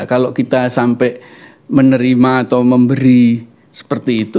kalau kita sampai menerima atau memberi seperti itu